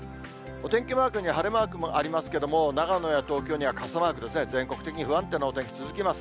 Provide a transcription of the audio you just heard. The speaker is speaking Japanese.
お天気マークに晴れマークもありますけれども、長野や東京には傘マークですね、全国的に不安定なお天気続きます。